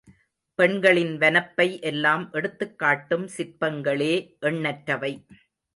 பெண்களின் வனப்பை எல்லாம் எடுத்துக் காட்டும் சிற்பங்களே எண்ணற்றவை.